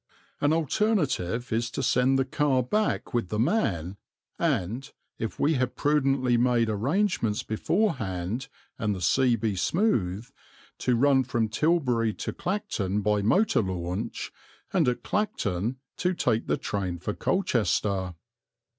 An alternative is to send the car back with the man and, if we have prudently made arrangements beforehand, and the sea be smooth, to run from Tilbury to Clacton by motor launch, and at Clacton to take the train for Colchester.